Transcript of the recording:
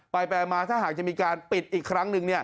ไปมาถ้าหากจะมีการปิดอีกครั้งหนึ่ง